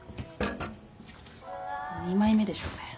２枚目でしょうね。